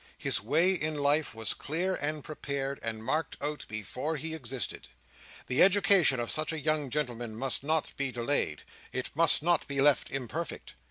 His way in life was clear and prepared, and marked out before he existed. The education of such a young gentleman must not be delayed. It must not be left imperfect.